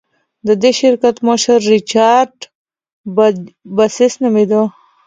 د دې شرکت مشر ریچارډ باسس نومېده.